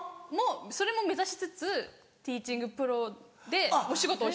それも目指しつつティーチングプロでお仕事をしてるんです。